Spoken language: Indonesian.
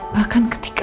yuk yuk yuk